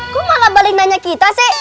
gue malah balik nanya kita sih